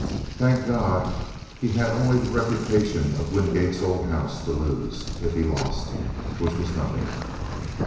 Thank God! he had only the reputation of Wingate's old house to lose, if he lost, which was nothing.